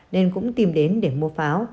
nên cũng tìm đến để mua pháo